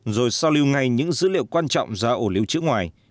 rồi sau lưu ngay những dữ liệu quan trọng ra ổ liệu chữ ngoài